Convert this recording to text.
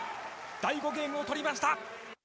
第５ゲームを取りました。